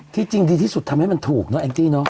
ที่จริงดีที่สุดทำให้มันถูกเนอแองจี้เนอะ